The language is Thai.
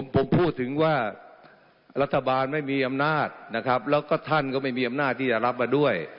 ผมพูดถึงว่ารัฐบาลไม่มีอำนาจนะครับแล้วก็ท่านก็ไม่มีอำนาจที่จะรับมาด้วย